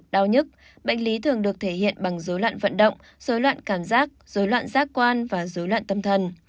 đau nhức bệnh lý thường được thể hiện bằng dối loạn vận động xối loạn cảm giác dối loạn giác quan và dối loạn tâm thần